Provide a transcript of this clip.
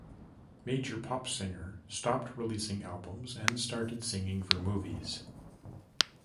Major pop singer stopped releasing albums and started singing for movies.